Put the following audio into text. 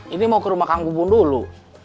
ini mau ke rumah kang gubun dulu